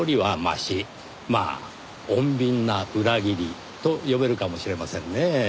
まあ穏便な裏切りと呼べるかもしれませんねぇ。